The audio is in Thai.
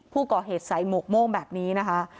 ผู้ก่อเหตุใส่หมวกโม่งแบบนี้นะคะ